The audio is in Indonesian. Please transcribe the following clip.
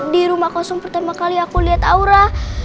dirumah kosong pertama kali aku liat aura